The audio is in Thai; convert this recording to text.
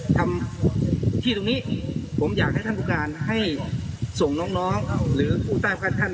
ทำที่ตรงนี้ผมอยากให้ท่านผู้การให้ส่งน้องน้องหรือผู้ใต้พระท่าน